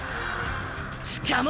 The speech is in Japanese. しかも！！